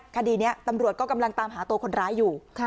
คดีนี้ตำรวจก็กำลังตามหาตัวคนร้ายอยู่